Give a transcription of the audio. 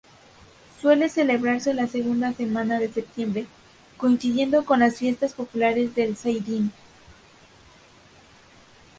Suele celebrarse la segunda semana de septiembre coincidiendo con las fiestas populares del Zaidín.